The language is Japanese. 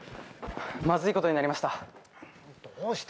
まずいことになりましたどうした？